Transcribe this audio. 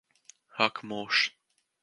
Ak mūžs!